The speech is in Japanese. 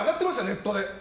ネットで。